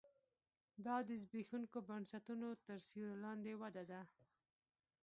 دا د زبېښونکو بنسټونو تر سیوري لاندې وده ده